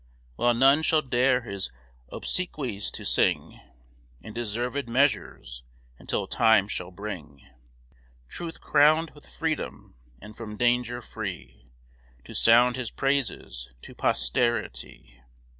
While none shall dare his obsequies to sing In deserv'd measures; until time shall bring Truth crown'd with freedom, and from danger free To sound his praises to posterity.